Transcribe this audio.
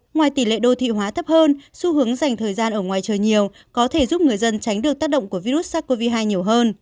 ngoài tỷ lệ đô thị hóa thấp hơn xu hướng dành thời gian ở ngoài trời nhiều có thể giúp người dân tránh được tác động của virus sars cov hai nhiều hơn